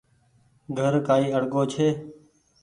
گھر ڪآئي اڙگو ڇي ۔